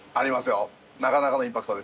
なかなかのインパクトですよ。